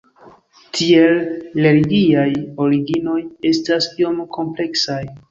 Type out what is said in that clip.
Tiel, religiaj originoj estas iom kompleksaj.